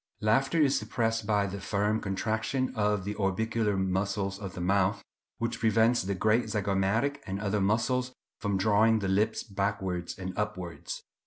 Laughter is suppressed by the firm contraction of the orbicular muscles of the mouth, which prevents the great zygomatic and other muscles from drawing the lips backwards and upwards.